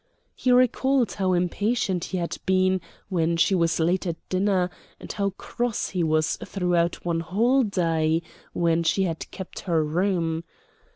He recalled how impatient he had been when she was late at dinner, and how cross he was throughout one whole day when she had kept her room.